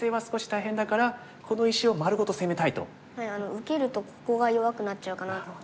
受けるとここが弱くなっちゃうかなと思って。